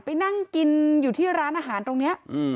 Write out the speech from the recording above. ไปนั่งกินอยู่ที่ร้านอาหารตรงนี้